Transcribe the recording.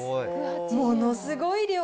ものすごい量。